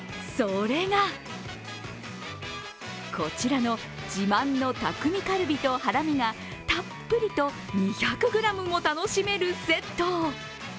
それがこちらの自慢の匠カルビとハラミがたっぷりと２００ｇも楽しめるセット。